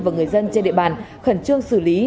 và người dân trên địa bàn khẩn trương xử lý